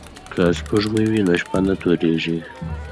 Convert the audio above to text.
که سپوږمۍ وي نو شپه نه تورېږي.